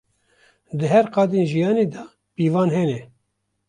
Di her qadên jiyanê de pîvan hene.